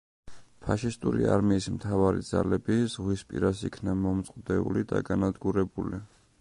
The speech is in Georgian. ფაშისტური არმიის მთავარი ძალები ზღვის პირას იქნა მომწყვდეული და განადგურებული.